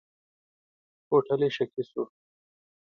هوټلي شکي شو.